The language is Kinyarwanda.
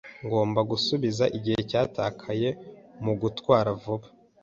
Ngomba gusubiza igihe cyatakaye mugutwara vuba.